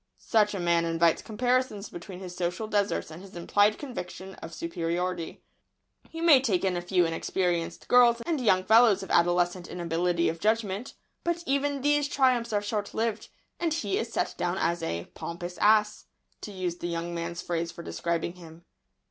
Such a man invites comparisons between his social deserts and his implied conviction of superiority. [Sidenote: Arrogance of manners.] He may take in a few inexperienced girls and young fellows of adolescent inability of judgment, but even these triumphs are short lived, and he is set down as a "pompous ass," to use the young man's phrase for describing him.